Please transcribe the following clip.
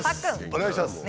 お願いします。